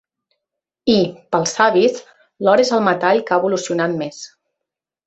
I, pels savis, l'or és el metall que ha evolucionat més.